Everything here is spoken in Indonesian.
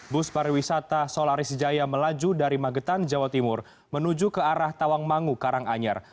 bus pariwisata solaris jaya melaju dari magetan jawa timur menuju ke arah tawangmangu karanganyar